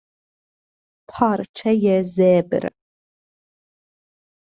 پارچهی زبر